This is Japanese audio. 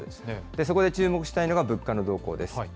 そこで注目したいのが、物価の動向です。